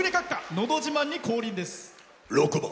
「のど自慢」に降臨です。